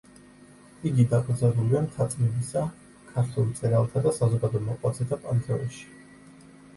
იგი დაკრძალულია მთაწმინდისა ქართველ მწერალთა და საზოგადო მოღვაწეთა პანთეონში.